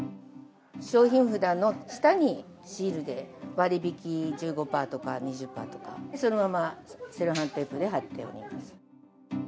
商品札の下に、シールで割引１５パーとか、２０パーとか、そのままセロハンテープで貼ってます。